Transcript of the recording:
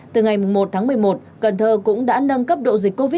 từ ngày một tháng một mươi một cần thơ cũng đã nâng cấp độ dịch covid